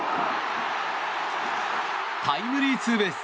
タイムリーツーベース。